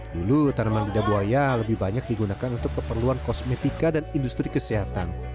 dulu tanaman lidah buaya lebih banyak digunakan untuk keperluan kosmetika dan industri kesehatan